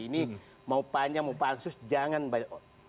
ini mau panjang mau pansus jangan